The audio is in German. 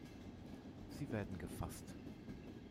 Sie werden gefasst.